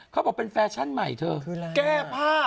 เขาบอกเป็นแฟชั่นใหม่เถอะ